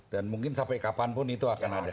dan mungkin sampai kapanpun itu akan ada